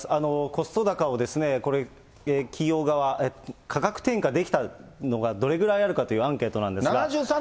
コスト高をこれ、企業側、価格転嫁できたのがどれくらいあるかというアンケートなんですが。